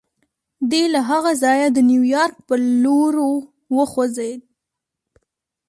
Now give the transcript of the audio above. دی له هغه ځايه د نيويارک پر لور وخوځېد.